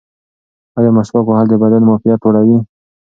ایا مسواک وهل د بدن معافیت لوړوي؟